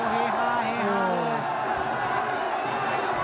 เฮฮาเฮฮาเลย